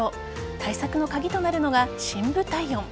対策の鍵となるのが深部体温。